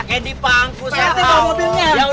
pakai di pangkus ya kau